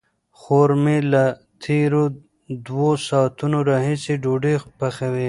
خور مې له تېرو دوو ساعتونو راهیسې ډوډۍ پخوي.